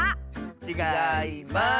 ちがいます！